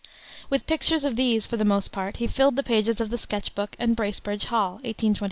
With pictures of these, for the most part, he filled the pages of the Sketch Book and Bracebridge Hall, 1822.